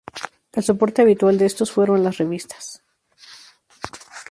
El soporte habitual de estos fueron las revistas.